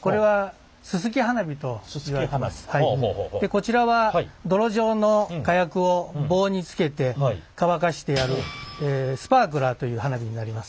こちらは泥状の火薬を棒に付けて乾かしてあるスパークラーという花火になります。